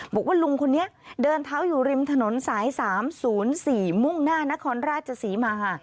บอกว่าลุงคนนี้เดินเท้าอยู่ริมถนนสาย๓๐๔มุ่งหน้านครราชศรีมา